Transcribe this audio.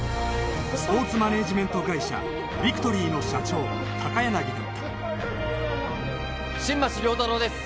スポーツマネージメント会社ビクトリーの社長高柳だった新町亮太郎です